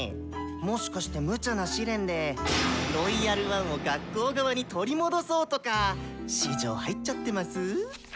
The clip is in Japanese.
もしかしてムチャな試練で「ロイヤル・ワン」を学校側に取り戻そうとか私情入っちゃってます？